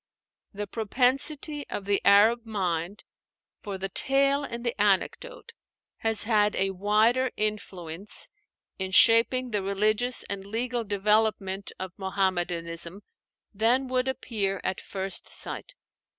The propensity of the Arab mind for the tale and the anecdote has had a wider influence in shaping the religious and legal development, of Muhammadanism than would appear at first sight.